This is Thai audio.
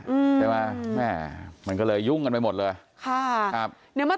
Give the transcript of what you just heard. อืมใช่ไหมแม่มันก็เลยยุ่งกันไปหมดเลยค่ะครับเดี๋ยวมา